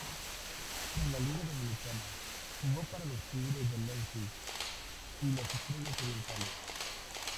En la Liga Dominicana jugó para los Tigres del Licey y las Estrellas Orientales.